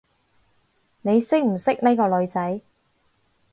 你識唔識呢個女仔？